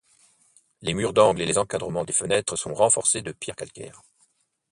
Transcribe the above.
Les murs d'angles et les encadrements des fenêtres sont renforcés de pierres calcaires.